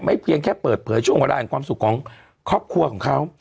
เพียงแค่เปิดเผยช่วงเวลาแห่งความสุขของครอบครัวของเขา